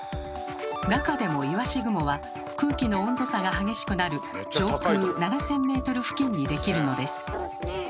なかでもいわし雲は空気の温度差が激しくなる上空７，０００ｍ付近に出来るのです。